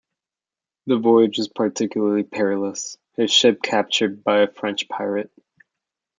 The voyage was particularly perilous, his ship captured by a French pirate.